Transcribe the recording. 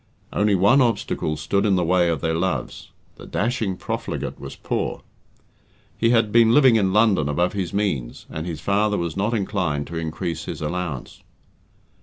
Only one obstacle stood in the way of their loves the dashing profligate was poor. He had been living in London above his means, and his father was not inclined to increase his allowance.